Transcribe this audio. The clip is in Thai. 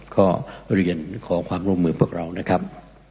ก็เรียนขอความร่วมมือพวกเรานะครับ